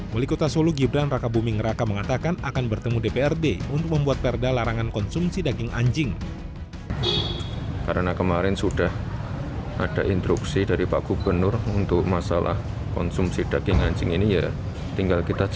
wali kota solo gibran raka buming raka mengatakan akan bertemu dprd untuk membuat perda larangan konsumsi daging anjing